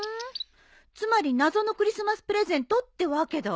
つまり謎のクリスマスプレゼントってわけだ。